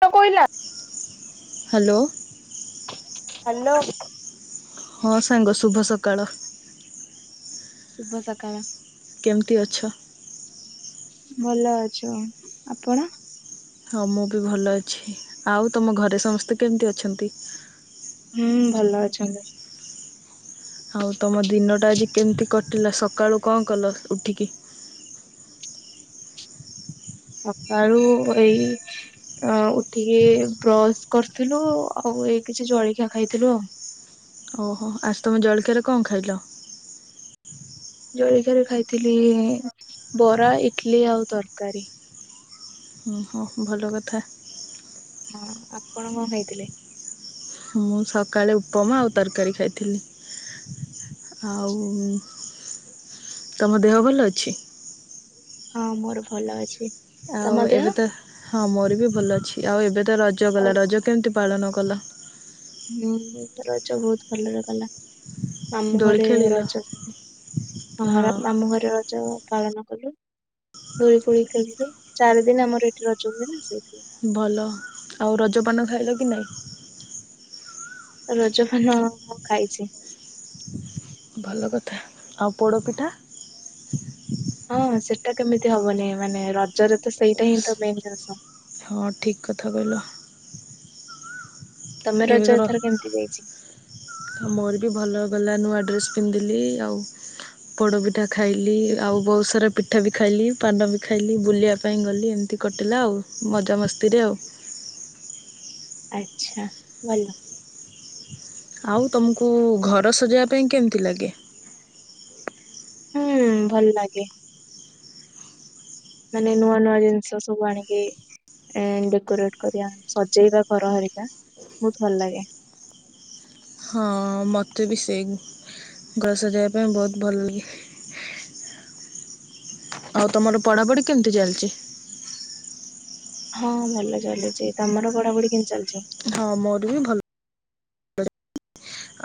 ତ କହିଲା hello. Hello. ହଁ ସାଙ୍ଗ ଶୁଭ ସକାଳ। ଶୁଭ ସକାଳ। କେମିତି ଅଛ? ଭଲ ଅଛୁ। ଆପଣ? ହଁ ମୁଁ ବି ଭଲ ଅଛି। ଆଉ ତମ ଘରେ ସମସ୍ତେ କେମିତି ଅଛନ୍ତି? ହୁଁ ଭଲ ଅଛନ୍ତି। ଆଉ ତମ ଦିନଟା ଆଜି କେମିତି କଟିଲା ସକାଳୁ କଣ କଲ ଉଠିକି? ସକାଳୁ [unintelligible] ଆ ଉଠିକି ବ୍ରଶ କରିଥିଲୁ, ଆଉ ଏ କିଛି ଜଳଖିଆ ଖାଇଥିଲୁ ଆଉ। ଓହୋ ଆଜ ତମେ ଜଳଖିଆରେ କଣ ଖାଇଲ? ଜଳିଖିଆ ରେ ଖାଇଥିଲି ବରା ଇଟଲି ଆଉ ତରକାରୀ। ଓ ହଁ ଭଲ କଥା। ହଁ ଆପଣ କଣ ଖାଇଥିଲେ? ମୁଁ ସକାଳେ ଉପମା ଆଉ ତରକାରୀ ଖାଇଥିଲି। ଆଉ ତମ ଦେହ ଭଲ ଅଛି? ହଁ ମୋର ଭଲ ଅଛି। ତମ ଆଉ ଦେହ? ଏବେ ତ ହଁ ମୋର ବି ଭଲ ଅଛି ଆଉ ଏବେ ତ ରଜ ଆଉ ଗଲା ରଜ କେମତି ପାଳନ କଲ? ହୁଁ ରଜ ବହୁତ ଭଲରେ ଗଲା। ମାମୁଁ ଦୋଳି ଘରେ ଖେଳିଲ ରଜ ହଁ ମାମୁଁ ଘରେ ର ଜ ପାଳନ କଲୁ ଦୋଳି ଫୋଳି ଖେଳିଲୁ ଚାରି ଦିନ ଆମର ଏଠି ରଜ ହୁଏ ନା ସେଇଥି। ଭଲ ଆଉ ରଜପାନ ଖାଇଲ କି ନାଇଁ? ରଜ ପାନ ହଁ ହଁ ଖାଇଚି। ଭଲ କଥା ଆଉ ପୋଡପିଠା? ହଁ ସେଟା କେମିତି ହବନି ମାନେ ରଜରେ ତ ସେଇଟା ହିଁ ତ ମେନ୍ ଜିନିଷ। ହଁ ଠିକ୍ କଥା କହିଲ। ତମେ ଏବେ ରଜ ତର ଏଥର କେମତି ଯାଇଛି? ମୋର ବି ଭଲ ଗଲା ନୂଆ ଡ୍ରେସ୍ ପିନ୍ଧିଲି ଆଉ ପୋଡ ପିଠା ଖାଇଲି ଆଉ ବହୁତ ସାରା ପିଠା ବି ଖାଇଲି ପାନ ବି ଖାଇଲି ବୁଲିବା ପାଇଁ ଗଲି ଏମତି କଟିଲା ଆଉ ମଜାମସ୍ତିରେ ଆଉ। ଆଚ୍ଛା ଭଲ। ଆଉ ତମୁକୁ ଘର ସଜେଇବା ପାଇଁ କେମତି ଲାଗେ? ହୁଁ ଭଲ ଲାଗେ। ମାନେ ନୂଆ ନୂଆ ଜିନିଷ ସବୁ ଆଣିକି ଏଁ ଡେକୋରେଟ୍ କରିଆ ସଜେଇବା ଘର ହରିକା ବହୁତ ଭଲ ଲାଗେ। ହଁ ମତେ ବି ସେଇ ଘର ସଜାଇବା ପାଇଁ ବହୁତ ଭଲ ଲାଗେ। ଆଉ ତମର ପଢାପଢି କେମତି ଚାଲଚି। ହଁ ଭଲ ଚାଲିଚି ତମର ପଢାପଢି କେମତି ଚାଲଚି? ହଁ ମୋର ବି ଭଲ।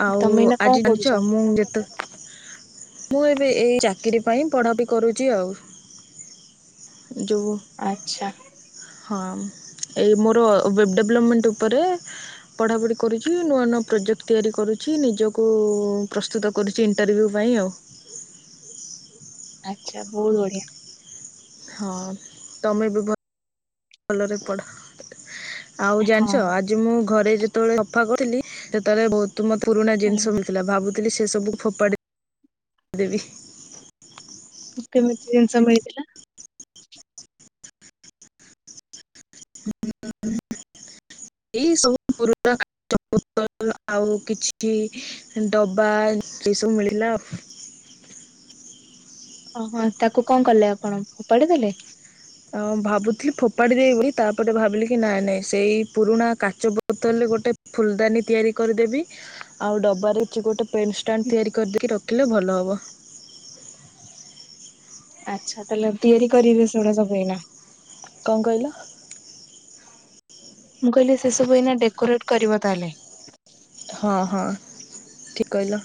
ଆଉ ତମେ ଏଇନା କଣ ଆଜି ପଢୁଛ? ଜାଣିଚ ମୁଁ ଯେତେ ମୁଁ ଏବେ ଏଇ ଚାକିରି ପାଇଁ ପଢା ବି କରୁଚି ଆଉ। ଯୋଉ। ଆଚ୍ଛା। ହଁ ଏଇ ମୋର ୱେବ ଡେଭଲପମେଣ୍ଟ ଉପରେ ପଢା ପଢି କରୁଚି ନୂଆ ନୂଆ ପ୍ରୋଜେକ୍ଟ ତିଆରି କରୁଛି ନିଜକୁ ପ୍ରସ୍ତୁତ କରୁଚି ଇଣ୍ଟରଭ୍ୟୁ ପାଇଁ ଆଉ। ଆଚ୍ଛା ବହୁତ ବଢିଆ। ହଁ ତମେ ବି ଭଲରେ ପଢ। ଆଉ ହଁ ଜାଣିଚ ଆଜି ମୁଁ ଘରେ ଯେତବଳେ ସଫା କରୁଥିଲି ସେତବଳେ ବହୁତ ମୋ ପୁରୁଣା ହୁଁ, ଜିନିଷ ମିଳି ଥିଲା ଭାବୁଥିଲି ସେସବୁ ଫୋପାଡି ଦେବି। କେମିତି ଜିନିଷ ମିଳିଥିଲା? ଏଇ ସବୁ ପୁରୁଣା [inaudible] କାଚ ବୋତଲ ଆଉ କିଛି ଡବା ଏସବୁ ମିଳିଲା। ଅଁ ହଁ ତାକୁ କଣ କଲେ ଆପଣ ଫୋପାଡି ଦେଲେ? ଅଁ ଭାବୁଥିଲି ଫୋପାଡି ଦେବି ବୋଲି ତାପରେ ଭାବିଲି କି ନାଇଁ ନାଇଁ ସେଇ ପୁରୁଣା କାଚ ବୋ ବୋତଲରେ ଗୋଟେ ଫୁଲଦାନୀ ତିଆରି କରିଦେବି। ଆଉ ଡବା ରେ ଏଚି ଗୋଟେ ପେନେ ଷ୍ଟାଣ୍ଡ ତିଆରି କରିଦେଇ ରଖିଲେ ଭଲ ହବ। ଆଚ୍ଛା ତାଲେ ତିଆରି କରିବେ ସେଗୁଡା ସବୁ ଏଇନା। କ କହିଲ? ମୁଁ କହିଲି ସେ ସବୁ ଏଇନା ଡେକୋରେଟ କରିବ ତା ହେଲେ। ହଁ ହଁ ଠିକି କହିଲ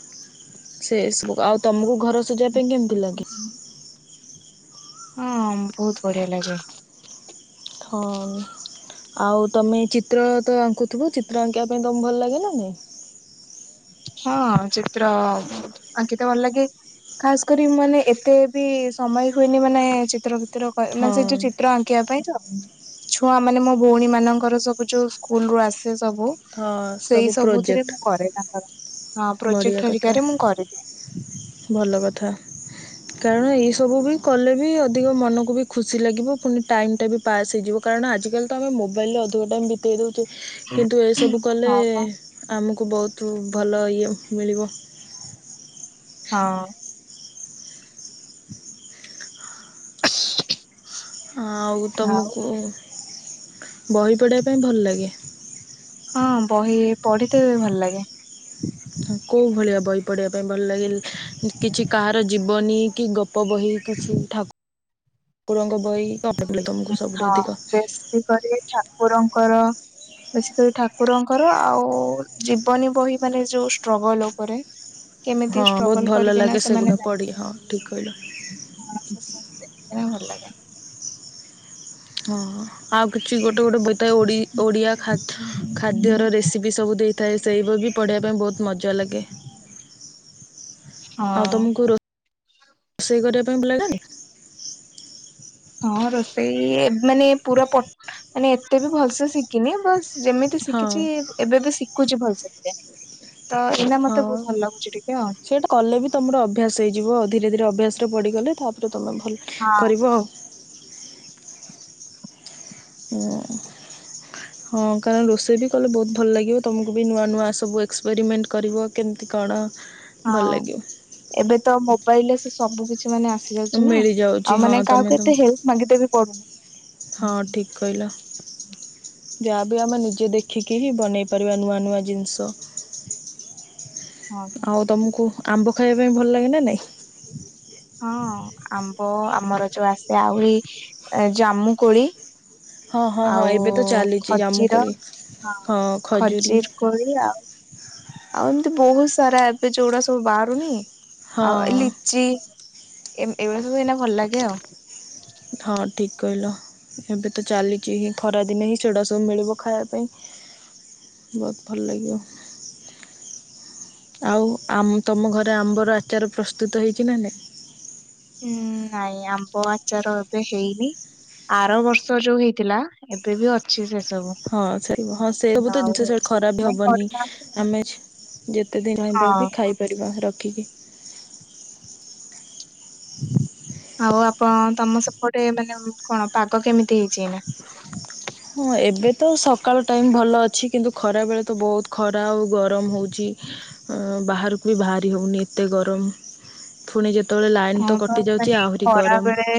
ସେସବୁ ଆଉ ତମକୁ ଘର ସଜାଇବା ପାଇଁ କେମିତି ଲାଗେ? ଅ ବହୁତୁ ବଢିଆ ଲାଗେ। ହଁ। ଆଉ ତମେ ଚିତ୍ର ତ ଆଙ୍କୁ ଥିବ ଚିତ୍ର ଆଙ୍କିବା ପାଇଁ ତ ଭଲ ଲାଗେନା ନାଇଁ? ହଁ ଚିତ୍ର ଆଙ୍କିିତ ଭଲ ଲାଗେ। ଖାସ୍ କରି ମାନେ ଏତେ ବି ସମୟ ହୁଏନି ମାନେ ଚିତ୍ର ଚିତ୍ର କ ମାନେ ସେ ହଁ ଯୋଉ ଚିତ୍ର ଆଙ୍କିବା ପାଇଁ ତ। ଛୁଆ ମାନେ ମୋ ଭଉଣୀ ମାନଙ୍କର ସବୁ ଯୋଉ ସ୍କୁଲ ରୁ ଆସ ସେ ସବୁ ହଁ ସବୁ ସେଇ ସବୁଥିରେ ପ୍ରୋଜେକ୍ଟ ମୁଁ କରେ ତାଙ୍କର। ହଁ ବଢ଼ିଆ ପ୍ରୋଜେକ୍ଟ କଥା ହରିକାରେ ମୁଁ କରିଦିଏ। ଭଲ କଥା। କାରଣ ଏଇ ସବୁ ବି କଲେ ବି ଅଧିକ ମନକୁ ବି ଖୁସି ଲାଗିବ। ପୁଣି ଟାଇମ ଟା ବି ପାସ୍ ହେଇଯିବ କାରଣ ଆଜିକାଲି ତ ଆମେ ମୋବାଇଲ ରେ ଅଧିକ ଟାଇମ୍ ଦେଇ ଦେଉଛୁ କିନ୍ତୁ ଏସବୁ କଲେ ହଁ ପା। ଆମକୁ ବୋହୁତ ଭଲ ଇଏ ମିଳିବ। ହଁ। ଆଉ ଆଉ ତମକୁ ବହି ପଢିବା ପାଇଁ ଭଲ ଲାଗେ। ହଁ ବହି ପଢିତେ ବି ଭଲ ଲାଗେ। କୋଉ ଭଳିଆ ବହି ପଢ଼ିବା ପାଇଁ ଭଲ ଲାଗେ। କିଛି କାହାର ଜୀବନୀ କି ଗପ ବହି କିଛି ଠା [inaudible] ଠାକୁରଙ୍କ ବଇ। [unintelligible] ଏ ହଁ ବେଶୀ କରି ଠାକୁରଙ୍କର ବେଶୀକରି ଠାକୁରଙ୍କର ଆଉ ଜୀବନୀ ବହି ମାନେ ଯୋଉ ଷ୍ଟ୍ରଗଲ ଉପରେ। ହଁ କେମିତି ବହୁତ ଷ୍ଟ୍ରଗଲ ଭଲ ଲାଗେ କରିକିନା ସେଗୁଡ଼ା ସେମାନେ ହଁ ସେ ପଢ଼ି ଠିକ୍ କହିଲ ସବୁ ଦେଖିକି ନା ଭଲ ଲାଗେ। ହଁ ଆଉ କିଛି ଗୋଟେ ଗୋଟେ ବଥାଏ ଓଡ଼ି ଓଡ଼ିଆ ଖା ଖାଦ୍ୟର ରେସିପି ସବୁ ଦେଇଥାଏ। ସେଇ ବହି ବି ପଢ଼ିବା ପାଇଁ ବୋହୁତ ମଜା ଲାଗେ। ଆଉ ତମକୁ ହଁ। ରୋଷେଇ କରିବା ପାଇଁ ଭଲ ଲାଗେନି? ହଁ ରୋଷେଇ ମାନେ ପୁରା ମାନେ ଏତେ ବି ଭଲସେ ଶିଖିନି। ବସ୍ ଯେମିତି ହଁ ଶିଖିଛି ଏବେ ବି ଶିଖୁଛି ଭଲସରେ। ତ ଏଇନା ମତେ ହଁ ବୋହୁତ ଭଲ ଲାଗୁଛି ଟିକେ ଆଉ। ସେଇଟା କଲେ ବି ତୁମର ଅଭ୍ୟାସ ହେଇଯିବ ଆଉ ଧୀରେ ଧୀରେ ଅଭ୍ୟାସରେ ପଡ଼ିଗଲେ ତାପରେ ତୁମେ ଭଲ ହଁ କରିବ ଆଉ। ହୁଁ। [inaudible] ହଁ କାରଣ ରୋଷେଇ ବି କଲେ ବୋହୁତ ଭଲ ଲାଗିବ। ତୁମକୁ ବି ନୂଆ ନୂଆ ସବୁ ଏକ୍ସପେରିମେଣ୍ଟ କରିବ କେମିତି କଣ? ଭଲ ହଁ ଲାଗିବ ଏବେ ତ ମୋବାଇଲରେ ସେ ସବୁ କିଛି କିଛି ମାନେ ଆସିଯାଉଛି ନା ମିଳିଯାଉଛି ଆଉ ହଁ ମାନେ ତମେ କାହାକୁ ତମ ଏତେ ହେଲ୍ପ ମାଗିଦେ ବି ପଡୁନି। ହଁ ଠିକ କହିଲ। ଯାହାବି ଆମେ ନିଜେ ଦେଖିକି ହିଁ ବନେଇ ପାରିବା ନୂଆ ନୂଆ ଜିନଷ। ହଁ ପା। ତମକୁ ଆମ୍ବ ଖାଇବା ପାଇଁ ଭଲ ଲାଗେ ନା ନାଇଁ? ହଁ ଆମ୍ବ ଆମର ଯୋଉ ଆସେ ଆହୁରି ଜାମୁକୋଳି ହଁ ହଁ ହଁ ଆଉ ଏବେ ତ ଚାଲିଛି ଖଜିର ଜାମୁକୋଳି ହଁ ଖଜିର୍ କୋଳି ଆଉ ଆଉ ଏମିତି ବହୁତ ସାରା ଏବେ ଯୋଉଗୁଡା ସବୁ ବାହାରୁନି ଆଉ ଏ ହଁ। ଲିଚି ଏମ୍ ଏଇଭଳିଆ ସବୁ ଏଇନା ଭଲ ଲାଗେ ଆଉ। ହଁ ଠିକ୍ କହିଲ। ଏବେ ତ ଚାଲିଚି ହିଁ ଖରାଦିନେ ହିଁ ସେଗୁଡ଼ା ସବୁ ମିଳିବ ଖାଇବା ପାଇଁ। ବହୁତ ଭଲ ଲାଗିବ। ଆଉ ଆମ ତମ ଘରେ ଆମ୍ବର ଆଚାର ପ୍ରସ୍ତୁତ ହେଇଚି ନା ନାଇଁ? ହୁଁ ନାଇଁ ଆମ୍ବ ଆଚାର ଏବେ ହେଇନି। ଆର ବର୍ଷ ଯୋଉ ହେଇଥିଲା ଏବେ ବି ଅଛି ସେ ସବୁ ହଁ ସେ ରୁ ହଁ ସେଇ ହବୁ ତ ଆଉ ଜିନିଷ ସେ ଖରାପ ସେଥିପାଇଁ ହବନି କରିନାହାନ୍ତି ଆମେ ଯେତେ ଦିନ ରହିବ ଆଉ। ବି ଖାଇପାରିବା ରଖିକି। ଆଉ ଆପଣ ତମ ସେପଟେ ମାନେ କଣ ପାଗ କେମିତି ହେଇଚି ଏଇନା। ହଁ ଏବେ ତ ସକାଳ ଟାଇମ୍ ଭଲ ଅଛି କିନ୍ତୁ ଖରାବେଳେ ତ ବହୁତ ଖରା ଆଉ ଗରମ ହଉଚି। ଅଁ ବାହାରକୁ ବି ବାହାରି ହଉନି ଏତେ ଗରମ୍। ଫୁଣି ଯେତବଳେ ଲାଇନ୍ ହଁ ତ ପା କଟି ମାନେ ଯାଉଚି ଏଇ ଆହୁରି ଖରା ଗରମ ବେଳେ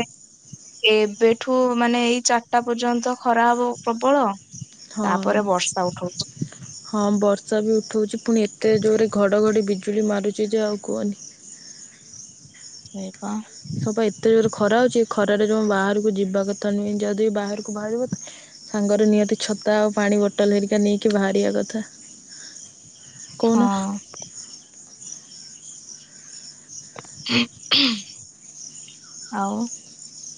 ଏବେଠୁ ମାନେ ଏଇ ଚାରଟା ପର୍ଯ୍ୟନ୍ତ ଖରା ହବ ପ୍ରବଳ। ହଁ। ତାପରେ ବର୍ଷା ଉଠଉଛି। ହଁ ବର୍ଷା ବି ଉଠଉଚି ଫୁଣି ଏତେ ଜୋରେ ଘଡ଼ଘଡ଼ି ବିଜୁଳି ମାରୁଚି ଯେ ଆଉ କୁହନି। ସେ ପାଁ ହଁ ପା ଏତେ ଜୋରେ ଖରା ହଉଚି ଖରାରେ ଜମା ବାହାରୁକୁ ଯିବା କଥା ନୁହେଁ ଯଦି ବାହାରୁକୁ ବାହାରିବ ସାଙ୍ଗରେ ନିହାତି ଛତା ଆଉ ପାଣି ବୋଟଲ ହେରିକା ନେଇକି ବାହାରିବା କଥା। ହଁ। କହୁନ ଆଉ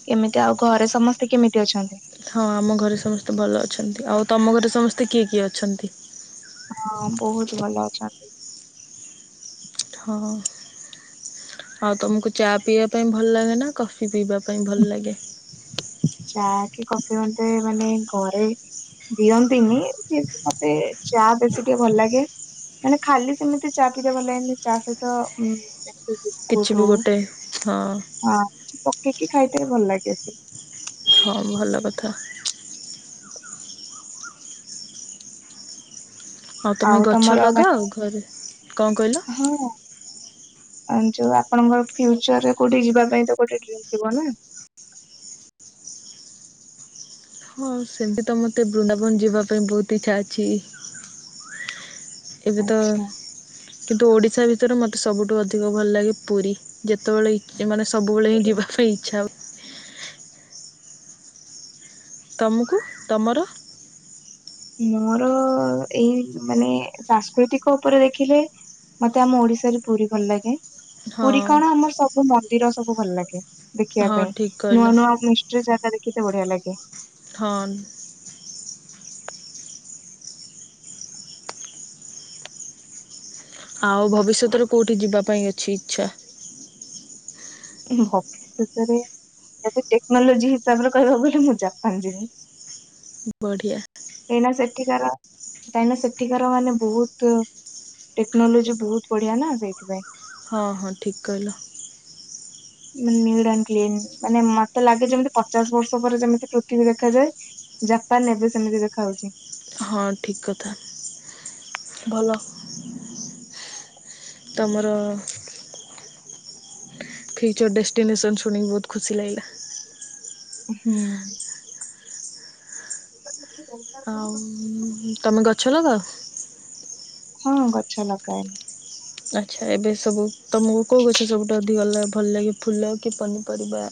କେମିତି ଆଉ ଘରେ ସମସ୍ତେ କେମିତି ଅଛନ୍ତି? ହଁ ଆମ ଘରେ ସମସ୍ତେ ଭଲ ଅଛନ୍ତି ଆଉ ତମ ଘରେ ସମସ୍ତେ କିଏ କିଏ ଅଛନ୍ତି? ହଁ ବହୁତୁ ଭଲ ଅଛନ୍ତି। ହଁ। ଆଉ ତମକୁ ଚା ପିଇବା ପାଇଁ ଭଲ ଲାଗେ ନା କଫି ପିଇବା ପାଇଁ ଭଲ ଲାଗେ? ଚା କି କଫି ମତେ ମାନେ ଘରେ ଦିଅନ୍ତିନି କିନ୍ତ ମତେ ଚା ବେଶୀ ଟିକେ ଭଲ ଲାଗେ। ମାନେ ଖାଲି ସେମିତି ଚା ପିଇତେ ଭଲ ଲାଗେନି ଚା ସହିତ ହୁଁ ଯାହାବି କିଛି ବି ବିସ୍କୁଟ ଗୋଟେ ହଁ ହଉ ହଁ କିଛି ପକେଇକି ଖାଇତେ ଭଲ ଲାଗେ ଆକ୍ଚୁଅଲି। ହଁ ଭଲ କଥା। ତମେ ଆଉ ଗଛ ତମର ଲଗାଅ ମାନେ ଘରେ? କଣ କହିଲ? ହଁ। ଆଁ ଯୋଉ ଆପଣଙ୍କର ଫ୍ୟୁଚର ରେ କୋଉଠିକି ଯିବା ପାଇଁ ତ ଗୋଟେ ଡ୍ରିମ ଥିବ ନା? ହଁ ସେମତି ତ ମତେ ବୃନ୍ଦାବନ ଯିବା ପାଇଁ ବହୁତ ଇଚ୍ଛା ଅଛି। ଏବେ ତ ଆଚ୍ଛା। କିନ୍ତୁ ଓଡ଼ିଶା ଭିତରେ ମତେ ସବୁଠୁ ଅଧିକ ଭଲ ଲାଗେ ପୁରୀ ଯେତବଳେ ଇ ଏମାନେ ସବୁବେଳେ ହିଁ ଯିବା ପାଇଁ ଇଚ୍ଛା ହୁ ତମକୁ ତମର? ମୋର ଏଇ ମାନେ ସାଂସ୍କୃତିକ ଉପରେ ଦେଖିଲେ ମତେ ଆମ ଓଡିଶାରେ ପୁରୀ ଭଲ ଲାଗେ ହଁ ପୁରୀ କଣ ଆମର ସବୁ ମନ୍ଦିର ସବୁ ଭଲ ଲାଗେ। ଦେଖିବା ହଁ ପାଇଁ ଠିକ୍ କହିଲ। ନୂଆ ନୂଆ ମିଷ୍ଟ୍ରୀ ଜାଗା ଦେଖିତେ ବଢିଆ ଲାଗେ। ହଁ। ଆଉ ଭବିଷ୍ୟତରେ କୋଉଠି ଯିବା ପାଇଁ ଅଛି ଇଚ୍ଛା? ହୁଁ ଭାବିଷ୍ୟତରେ ଆଜ ଏ ଟେକ୍ନୋଲୋଜି ହିସାବରେ କହିବାକୁ ଗଲେ ମୁଁ ଜାପାନ ଯିବି। ବଢ଼ିଆ। କାହିଁକିନା ସେଠିକାର କାହିଁକିନା ସେଠିକାର ମାନେ ବହୁତ ଟେକ୍ନୋଲୋଜି ବହୁତ ବଢିଆ ନା ସେଇଥିପାଇଁ। ହଁ ହଁ ଠିକ କହିଲ। ନିଟ୍ ଆଣ୍ଡ କ୍ଲିନ ମାନେ ମତେ ଲାଗେ ଯେମିତି ପଚାଶ ବର୍ଷ ପରେ ଯେମିତି ପୃଥିବୀ ଦେଖାଯାଏ। ଜାପାନ ଏବେ ସେମିତି ଦେଖା ଯାଉଛି। ହଁ ଠିକ୍ କଥା ଭଲ। ତମର ଫିଉଚର ଡେଷ୍ଟିନେସନ ଶୁଣିକି ବହୁତ ଖୁସି ଲାଗିଲା। ହୁଁ। [inaudible] ଆଉ ତମେ ଗଛ ଲଗାଅ? ହଁ ଗଛ ଲଗାଏ। ଆଚ୍ଛା ଏବେ ସବୁ ତମକୁ କୋଉ ଗଛ ସବୁଠୁ ଅଧିକ ଭଲ ଲାଗେ? ଫୁଲ କି ପନିପରିବା?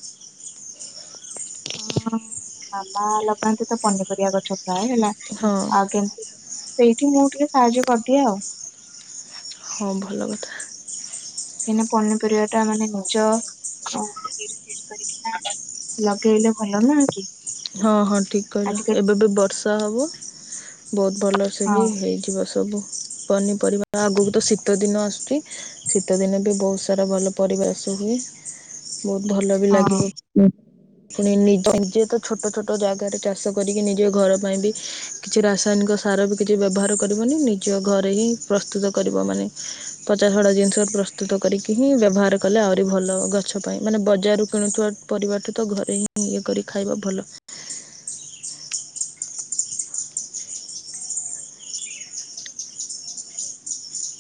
ହଁ ମାମା ଲଗାନ୍ତି ତ ପନିପରିବା ଗଛ ପ୍ରାୟ ହେଲା। ହଁ। ଆଉ କେମତି ସେଇଠି ମୁଁ ଟିକେ ସାହାଯ୍ୟ କରିଦିଏ ଆଉ ହଁ ଭଲ କଥା। କାହିଁକି ନା ପନିପରିବା ଟା ମାନେ ନିଜ ଲଗେଇଲେ ଭଲ ନା କି। ହଁ ହଁ ଠିକ କହିଲ ଆଜିକାଲି ଏବେ ବି ବର୍ଷା ହବ ବହୁତ ଭଲ ସେ ହଁ ବି ହେଇଯିବ ସବୁ ପନିପରିବା ଆଗକୁ ତ ଶୀତ ଦିନ ଆସୁଛି। ଶୀତ ଦିନେ ବି ବହୁତ ସାରା ଭଲ ପରିବେଶ ହୁଏ। ବହୁତ ଭଲ ବି ହଁ ଲାଗିବ ହୁଁ। ପୁଣି ନିଜେ ତ ଛୋଟ ଛୋଟ ଜାଗାରେ ଚାଷ କରିକି ନିଜେ ଘର ପାଇଁ ବି କିଛି ରାସାୟନିକ ସାର ବି କିଛି ବ୍ୟବହାର କରିବନି ନିଜ ଘରେ ହିଁ ପ୍ରସ୍ତୁତ କରିବ ମାନେ ପଚା ସଡ଼ା ଜିନିଷ ପ୍ରସ୍ତୁତ କରିକି ହିଁ ବ୍ୟବହାର କଲେ ଆହୁରି ଭଲ ଗଛ ପାଇଁ ମାନେ ବଜାରରୁ କିଣୁଥିବା ପରିବାରଠୁ ତ ଘରେ ହିଁ ଇଏ କରି ଖାଇବା ଭଲ।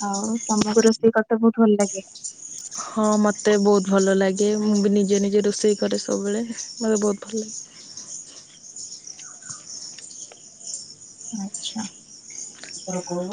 ଆଉ ତମକୁ ରୋଷେଇ କରିତେ ବହୁତ ଭଲ ଲାଗେ। ହଁ ମୋତେ ବହୁତ ଭଲ ଲାଗେ ମୁଁ ବି ନିଜେ ନିଜେ ରୋଷେଇ କରେ ସବୁବେଳେ ମୋତେ ବହୁତ ଭଲ ଲାଗେ। ଆଛା ତ କଣ